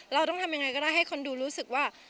เราต้องทำยังไงก็ได้ให้คนดูรู้สึกว่า